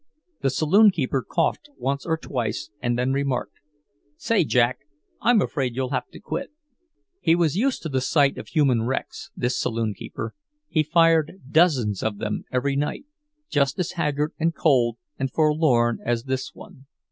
The saloon keeper coughed once or twice, and then remarked, "Say, Jack, I'm afraid you'll have to quit." He was used to the sight of human wrecks, this saloon keeper; he "fired" dozens of them every night, just as haggard and cold and forlorn as this one.